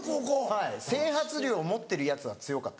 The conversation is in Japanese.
はい整髪料持ってるヤツは強かったです。